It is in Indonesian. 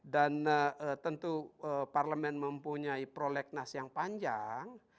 dan tentu parlemen mempunyai prolegnas yang panjang